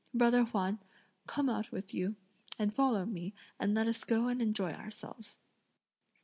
Brother Huan, come out with you, and follow me and let us go and enjoy ourselves."